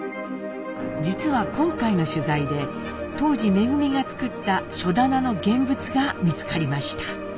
実は今回の取材で当時恩が作った書棚の現物が見つかりました。